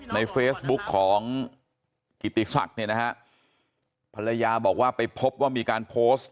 ในเฟซบุ๊กของกิติศักดิ์เนี่ยนะฮะภรรยาบอกว่าไปพบว่ามีการโพสต์